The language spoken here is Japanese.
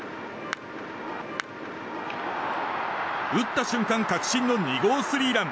打った瞬間確信の２号スリーラン。